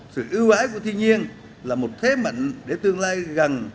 sự ưu ái của thiên nhiên là một thế mạnh để tương lai gần